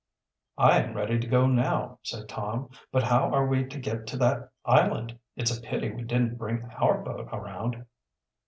"I am ready to go now," said Tom. "But how are we to get to that island? It's a pity we didn't bring our boat around."